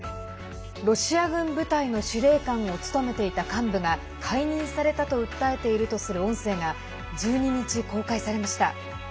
ロシア軍部隊の司令官を務めていた幹部が解任されたと訴えているとする音声が１２日、公開されました。